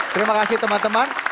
terima kasih teman teman